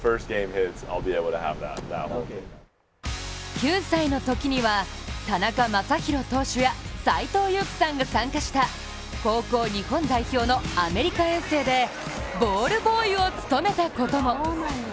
９歳のときには田中将大投手や斎藤佑樹さんが参加した高校日本代表のアメリカ遠征でボールボーイを務めたことも。